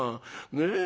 ねえ。